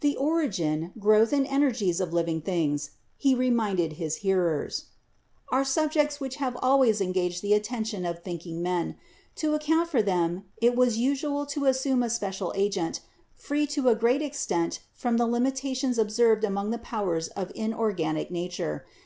"The origin, growth and energies of living things," he reminded his hearers, "are subjects which have always en gaged the attention of thinking men. To account for them it was usual to assume a special agent, free to a great extent from the limitations observed among the powers of inor ganic nature.